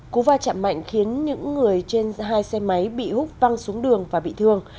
cú va chạm mạnh khiến những người trên hai xe máy bị hút văng xuống đường và bị thương